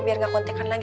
biar gak kontekan lagi